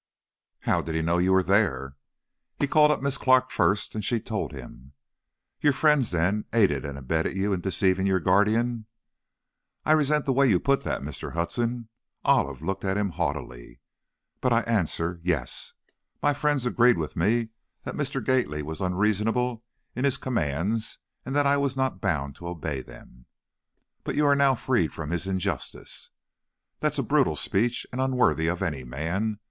"How did he know you were there?" "He called up Miss Clark first, and she told him." "Your friends, then, aided and abetted you in deceiving your guardian?" "I resent the way you put that, Mr. Hudson," Olive looked at him haughtily, "but I answer, yes. My friends agreed with me that Mr. Gately was unreasonable in his commands and that I was not bound to obey them." "But you are now freed from his injustice." "That is a brutal speech and unworthy of any man!